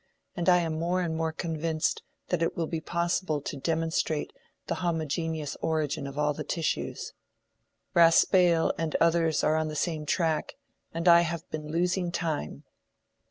And I am more and more convinced that it will be possible to demonstrate the homogeneous origin of all the tissues. Raspail and others are on the same track, and I have been losing time."